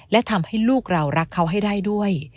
และทำให้ลูกเรารักเขาให้ได้ด้วย